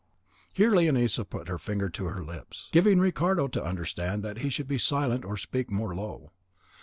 Here Leonisa put her finger to her lips, giving Ricardo to understand that he should be silent or speak more low.